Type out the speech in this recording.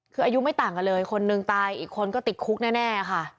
คืออายุไม่ต่างกันเลยคนหนึ่งตายอีกคนก็ติดคุกแน่ค่ะ